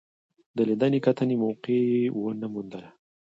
د لیدنې کتنې موقع مې ونه موندله.